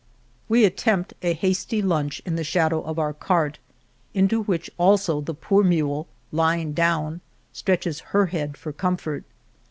We attempt a hasty lunch in the shadow ii8 El Toboso of our cart, into which also the poor mule, lying down, stretches her head for comfort.